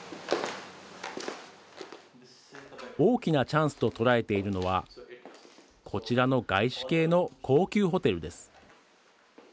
大きなチャンスと捉えているのはこちらの外資系の高級ホテルです。